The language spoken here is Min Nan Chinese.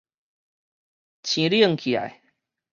生冷起來